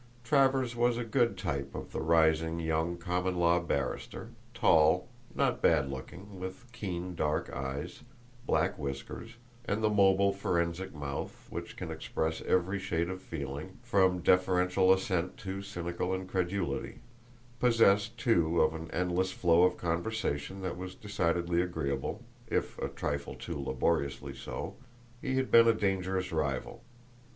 Travers was a good type of rising young common law barrister, tall, not bad looking, with keen dark eyes, black whiskers, and the mobile forensic mouth which can express every shade of feeling, from deferential assent to cynical incredulity; possessed, too, of an endless flow of conversation that was decidedly agreeable, if a trifling too laboriously so, he had been a dangerous rival.